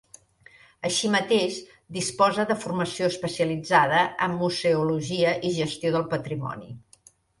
Així mateix, disposa de formació especialitzada en museologia i gestió del patrimoni.